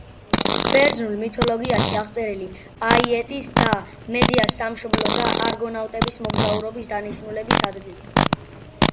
ბერძნულ მითოლოგიაში აღწერილი, აიეტის და მედეას სამშობლო და არგონავტების მოგზაურობის დანიშნულების ადგილი.